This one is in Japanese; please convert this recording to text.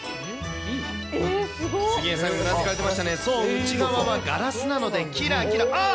杉江さん、うなずかれてましたね、そう、内側はガラスなので、きらきら。